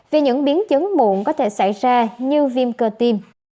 vì những biến chấn mụn có thể xảy ra như viêm cơ tiêm